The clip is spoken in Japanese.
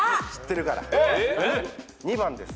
２番です。